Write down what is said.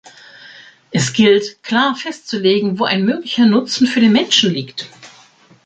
Es gilt, klar festzulegen, wo ein möglicher Nutzen für den Menschen liegt?